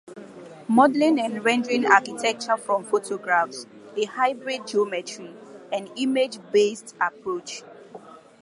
Modeling and rendering architecture from photographs: A hybrid geometry- and image-based approach.